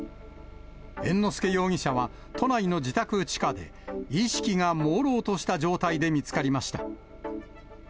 猿之助容疑者は都内の自宅地下で、意識がもうろうとした状態で見つかりました。